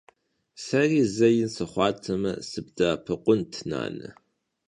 Seri ze yin sıxhuateme, sıbde'epıkhunt, nane.